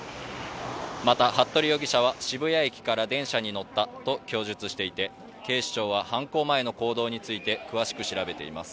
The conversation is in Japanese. また服部容疑者は、渋谷駅から電車に乗ったと供述していて警視庁は犯行前の行動について詳しく調べています。